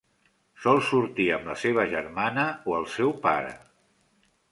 Sol sortir amb la seva germana o el seu pare.